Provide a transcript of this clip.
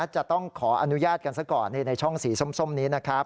จะต้องขออนุญาตกันซะก่อนในช่องสีส้มนี้นะครับ